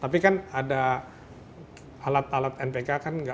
tapi kan ada alat alat npk kan